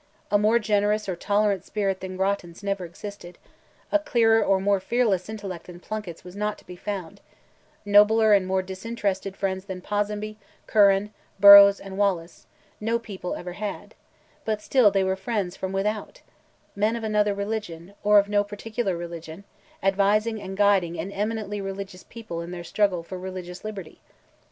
A more generous or tolerant spirit than Grattan's never existed; a clearer or more fearless intellect than Plunkett's was not to be found; nobler and more disinterested friends than Ponsonby, Curran, Burroughs and Wallace, no people ever had; but still they were friends from without; men of another religion, or of no particular religion, advising and guiding an eminently religious people in their struggle for religious liberty.